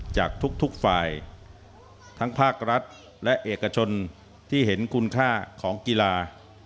จากทุกฝ่ายทั้งภาครัฐและเอกชนที่เห็นคุณค่าของกีฬา